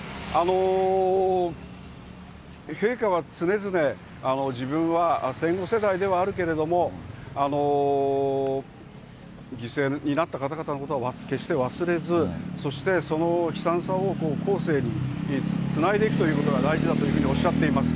陛下は常々、自分は戦後世代ではあるけれども、犠牲になった方々のことは決して忘れず、そしてその悲惨さを後世につないでいくということが大事だというふうにおっしゃっています。